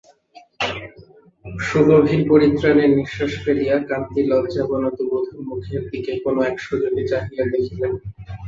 সুগভীর পরিত্রাণের নিশ্বাস ফেলিয়া কান্তি লজ্জাবনত বধূর মুখের দিকে কোনো এক সুযোগে চাহিয়া দেখিলেন।